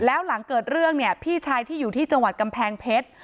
แล้วหลังเกิดเรื่องเนี่ยพี่ชายที่อยู่ที่จังหวัดกำแพงเพชร